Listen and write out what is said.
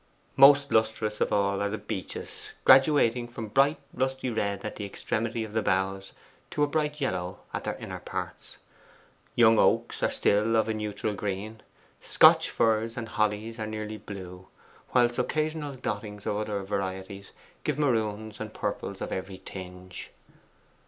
Most lustrous of all are the beeches, graduating from bright rusty red at the extremity of the boughs to a bright yellow at their inner parts; young oaks are still of a neutral green; Scotch firs and hollies are nearly blue; whilst occasional dottings of other varieties give maroons and purples of every tinge.